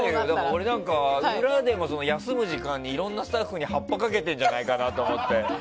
俺なんか、裏でも休む時間にいろんなスタッフにはっぱかけてるんじゃないかなとど